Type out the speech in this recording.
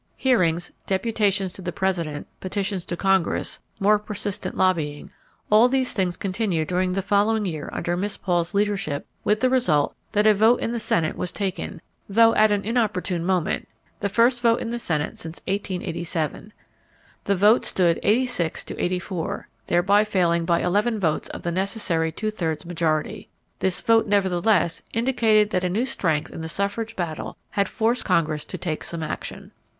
Hearings, deputations to the President, petitions to Congress, more persistent lobbying, all these things continued during the following year under Miss Paul's leadership with the result that a vote in the Senate was taken, though at ran inopportune moment,—the first vote in the Senate since 1887. The vote stood 86 to '84 thereby failing by 11 votes of the necessary two thirds majority. This vote, nevertheless, indicated that a new strength in the suffrage battle had forced Congress to take some action.